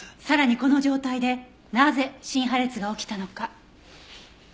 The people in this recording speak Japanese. さらにこの状態でなぜ心破裂が起きたのか。